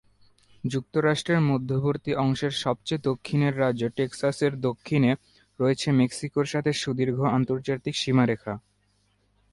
যুক্তরাষ্ট্রের মধ্যবর্তী অংশের সবচেয়ে দক্ষিণের রাজ্য টেক্সাসের দক্ষিণে রয়েছে মেক্সিকোর সাথে সুদীর্ঘ আন্তর্জাতিক সীমারেখা।